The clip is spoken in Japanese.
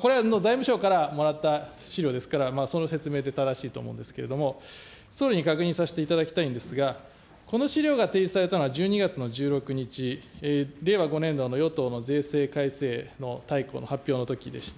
これは財務省からもらった資料ですから、その説明で正しいと思うんですけれども、総理に確認させていただきたいんですが、この資料が提出されたのは１２月の１６日、令和５年度の与党の税制改正の大綱の発表のときでした。